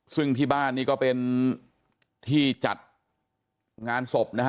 ซึ่งที่บ้านนี่ก็เป็นที่จัดงานศพนะฮะ